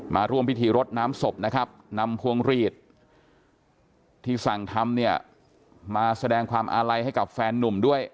มาร่วมพิธีรดน้ำศพนะครับนำพวงหลีดที่สั่งทำเนี่ยมาแสดงความอาลัยให้กับแฟนนุ่มด้วย